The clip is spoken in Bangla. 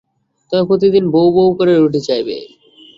তবে প্রতিদিন ভউ ভউ করে রুটি চাইবে।